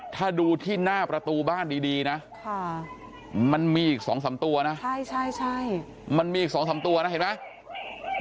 ถ้าดูที่หน้าประตูบ้านดีนะมันมีอีก๒๓ตัวนะใช่มันมีอีก๒๓ตัวนะเห็นไหม